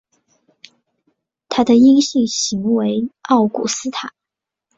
它的阴性型为奥古斯塔。